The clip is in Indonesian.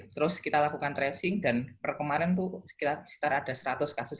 terus kita lakukan tracing dan per kemarin itu sekitar ada seratus kasus